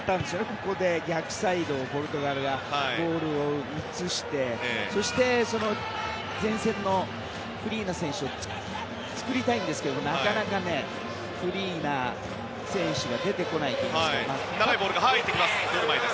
ここで逆サイドにポルトガルがボールを移してそして、前線のフリーな選手を使いたいんですけどなかなかフリーな選手が出てこないという。